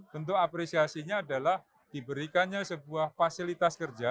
bentuk apresiasinya adalah diberikannya sebuah fasilitas